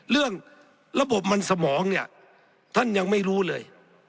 เรื่องระบบมันสมองเนี่ยท่านยังไม่รู้เลย